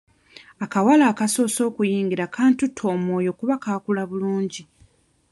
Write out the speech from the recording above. Akawala akasoose okuyingira kantutte omwoyo kuba kaakula bulungi.